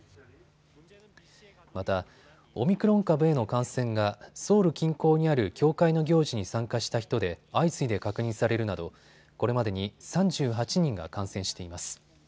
また、オミクロン株への感染がソウル近郊にある教会の行事に参加した人で相次いで確認されるなどこれまでに３８人が感染しています。